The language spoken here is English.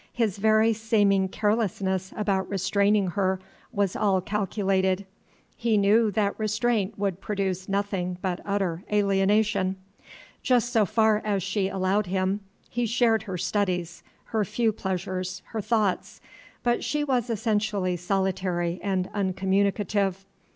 His very seeming carelessness about restraining her was all calculated; he knew that restraint would produce nothing but utter alienation. Just so far as she allowed him, he shared her studies, her few pleasures, her thoughts; but she was essentially solitary and uncommunicative.